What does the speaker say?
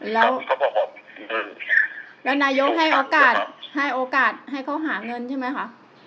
แล้วนายโยกให้โอกาสให้เค้าหาเงินใช่ไหมคะ